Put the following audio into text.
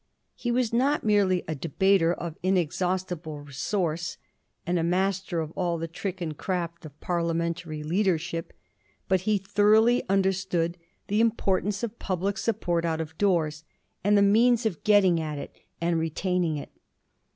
He was not merely a debater of inexhaustible resource and a master of all the trick and craft of Parliamentary leadership ; but he thoroughly understood the importance of public sup port out of doors, and the means of getting at it and retaining it.